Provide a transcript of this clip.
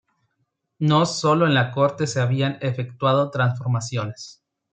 No solo en la corte se habían efectuado transformaciones.